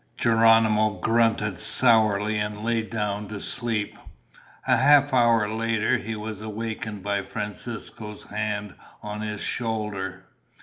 Geronimo grunted sourly and lay down to sleep. A half hour later he was awakened by Francisco's hand on his shoulder.